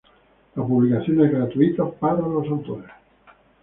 La publicación es gratuita para los autores.